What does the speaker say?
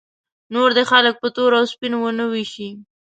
نور دې خلک په تور او سپین ونه ویشي.